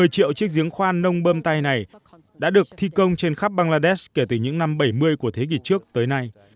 một mươi triệu chiếc giếng khoan nông bơm tay này đã được thi công trên khắp bangladesh kể từ những năm bảy mươi của thế kỷ trước tới nay